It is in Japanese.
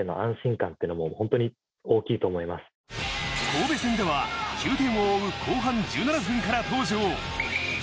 神戸戦では９点を追う後半１７分から登場。